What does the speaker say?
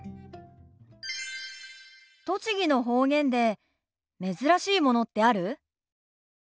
栃木の方言で珍しいものってある？